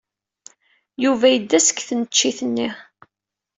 Yuba yedda seg tneččit-nni.